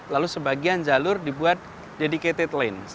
lalu sebagian jalur dibuat dedicated lane